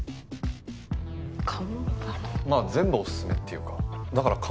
まあ全部おすすめっていうかだから看板。